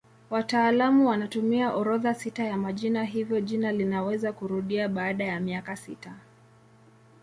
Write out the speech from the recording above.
Wataalamu wanatumia orodha sita ya majina hivyo jina linaweza kurudia baada ya miaka sita.